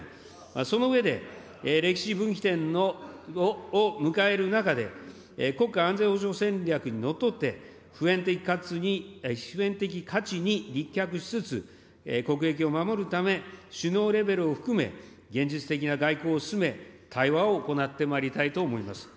その上で、歴史分岐点を迎える中で、国家安全保障戦略にのっとって普遍的価値に立脚しつつ、国益を守るため、首脳レベルを含め、現実的な外交を進め、対話を行ってまいりたいと思います。